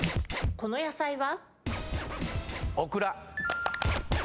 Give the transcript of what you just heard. この野菜は？